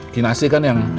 kinasi kan yang